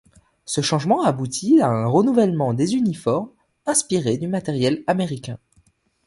Ce changement aboutit à un renouvellement des uniformes, inspiré du matériel américain.